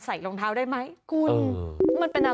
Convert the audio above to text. ใส่ร่องเท้าได้ไหม